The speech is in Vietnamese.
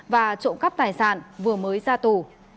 và trộm cắp tài sản vừa mới ra tù